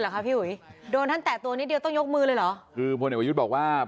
คุณผู้เนวยุทธ์บอกว่า